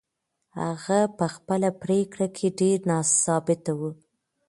هغه په خپله پرېکړه کې ډېره ثابته وه.